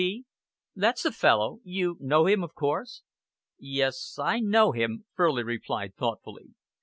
P.?" "That's the fellow. You know him, of course?" "Yes, I know him," Furley replied thoughtfully.